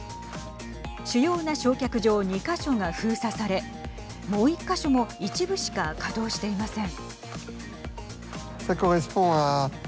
主要な焼却場２か所が封鎖されもう１か所も一部しか稼働していません。